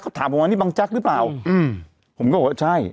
ถามผมว่านี่บังแจ๊กหรือเปล่าอืมผมก็บอกว่าใช่